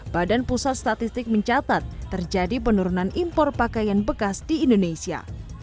badan pusat statistik mencatat terjadi penurunan impor pakaian bekas di indonesia